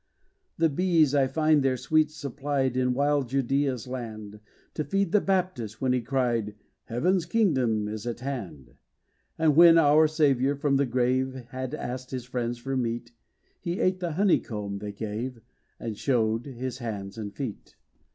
The bees I find their sweets supplied In wild Judea's land, To feed the Baptist, when he cried, "Heaven's kingdom is at hand." And when our Saviour, from the grave, Had asked his friends for meat, He ate the honey comb they gave; And showed his hands and feet.